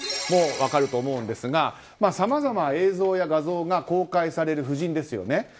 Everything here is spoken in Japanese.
もう分かるとと思うんですがさまざま映像や画像が公開される夫人ですよね。